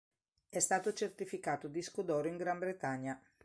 È stato certificato disco d'oro in Gran Bretagna.